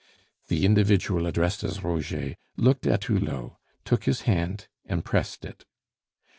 The individual addressed as Roger looked at Hulot, took his hand, and pressed it.